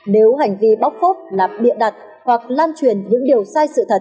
nếu hành vi bóc phốp làm địa đặt hoặc lan truyền những điều sai sự thật